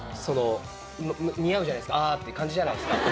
似合うじゃないですか、あーって感じじゃないですか。